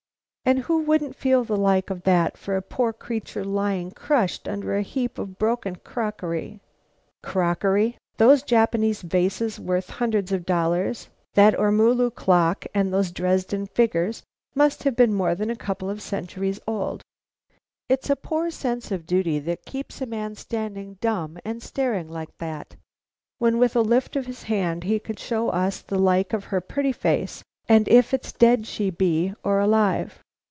"And who wouldn't feel the like of that for a poor creature lying crushed under a heap of broken crockery!" Crockery! those Japanese vases worth hundreds of dollars! that ormulu clock and those Dresden figures which must have been more than a couple of centuries old! "It's a poor sense of duty that keeps a man standing dumb and staring like that, when with a lift of his hand he could show us the like of her pretty face, and if it's dead she be or alive."